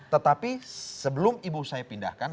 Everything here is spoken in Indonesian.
tetapi sebelum ibu saya pindahkan